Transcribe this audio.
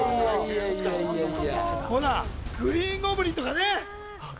ほら、グリーンゴブリンとかね。